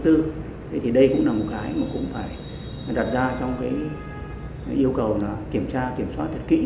thế thì đây cũng là một cái mà cũng phải đặt ra trong cái yêu cầu là kiểm tra kiểm soát thật kỹ